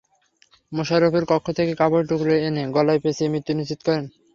মোশারফের কক্ষ থেকে কাপড়ের টুকরা এনে গলায় পেঁচিয়ে মৃত্যু নিশ্চিত করেন।